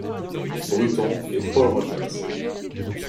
Bruton et Paul Rogers.